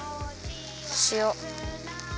しお。